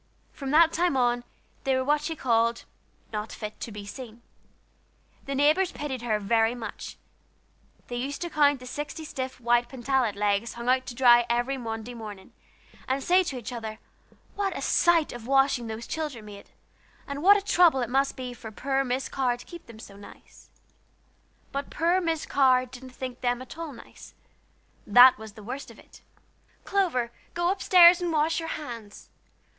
From that time on, they were what she called "not fit to be seen." The neighbors pitied her very much. They used to count the sixty stiff white pantalette legs hung out to dry every Monday morning, and say to each other what a sight of washing those children made, and what a chore it must be for poor Miss Carr to keep them so nice. But poor Miss Carr didn't think them at all nice; that was the worst of it. "Clover, go up stairs and wash your hands!